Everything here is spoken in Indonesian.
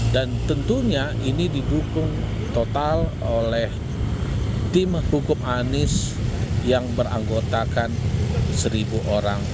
dan tentunya ini didukung total oleh tim hukum anies yang beranggotakan seribu orang